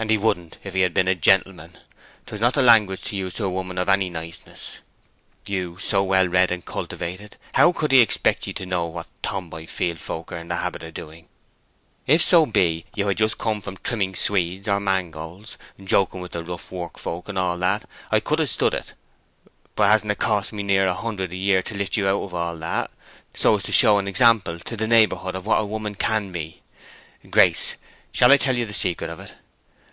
"And he wouldn't if he had been a gentleman. 'Twas not the language to use to a woman of any niceness. You, so well read and cultivated—how could he expect ye to know what tom boy field folk are in the habit of doing? If so be you had just come from trimming swedes or mangolds—joking with the rough work folk and all that—I could have stood it. But hasn't it cost me near a hundred a year to lift you out of all that, so as to show an example to the neighborhood of what a woman can be? Grace, shall I tell you the secret of it?